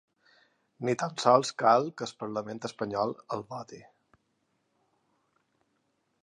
Ni tan sols cal que el parlament espanyol el voti.